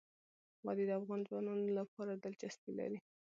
وادي د افغان ځوانانو لپاره دلچسپي لري.